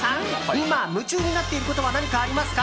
今、夢中になっていることは何かありますか？